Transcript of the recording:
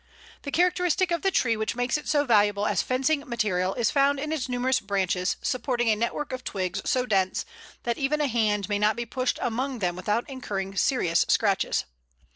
The characteristic of the tree which makes it so valuable as fencing material is found in its numerous branches, supporting a network of twigs so dense that even a hand may not be pushed among them without incurring serious scratches.